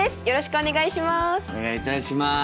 お願いいたします。